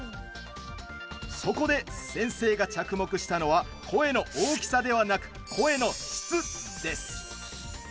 そこで先生が着目したのは声の大きさではなく声の質です。